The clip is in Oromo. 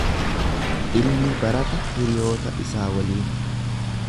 Ilmi barata hiriyoota isaa waliin.